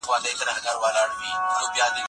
د جګړی پر مهال د انسانیت اصول نه پاملرنه کېږي.